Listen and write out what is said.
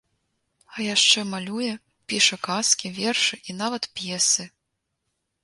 А яшчэ малюе, піша казкі, вершы і нават п'есы.